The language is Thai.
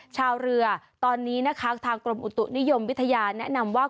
ชาวเรือตอนนี้นะคะทางกรมอุตุนิยมวิทยาแนะนำว่า